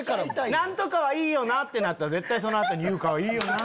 何とかはいいよなってなったら絶対その後に「優香はひいよなぁ」。